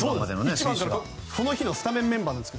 この日のスタメンメンバー